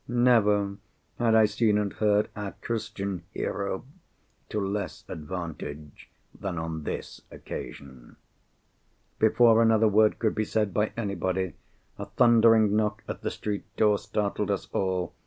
Never had I seen and heard our Christian Hero to less advantage than on this occasion. Before another word could be said by anybody, a thundering knock at the street door startled us all.